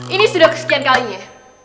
ini sudah kesekian kalinya